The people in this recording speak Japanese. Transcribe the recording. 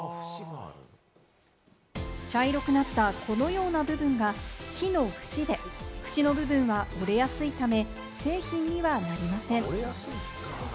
茶色くなったこのような部分が木の節で、節の部分は折れやすいため、製品にはなりません。